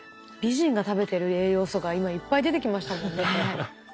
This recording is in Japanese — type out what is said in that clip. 美人が食べてる栄養素が今いっぱい出てきましたもんね。